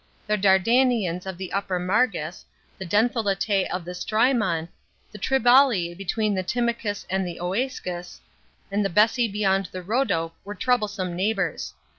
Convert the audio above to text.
The Dardanians of the upper Margus, the Dentheletas of the Strymon, the Triballi between the Timacus and the (Escus, the Bessi beyond Rhodope were troublesome neighbours.